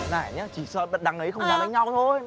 này nhá chỉ sợ bật đằng ấy không vào đánh nhau thôi